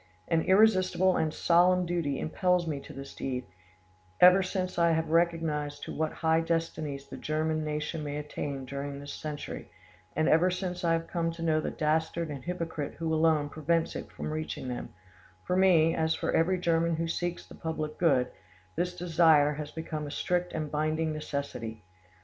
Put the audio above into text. An irresistible and solemn duty impels me to this deed, ever since I have recognised to what high destinies the German; nation may attain during this century, and ever since I have come to know the dastard and hypocrite who alone prevents it from reaching them; for me, as for every German who seeks the public good, this desire has became a strict and binding necessity.